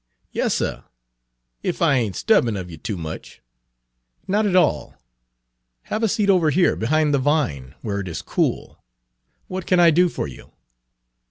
"Yas, suh, ef I ain't 'sturbin' of you too much." "Not at all. Have a seat over here behind the vine, where it is cool. What can I do for you?"